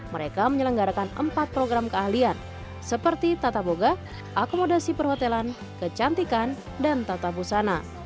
mereka menyelenggarakan empat program keahlian seperti tata boga akomodasi perhotelan kecantikan dan tata busana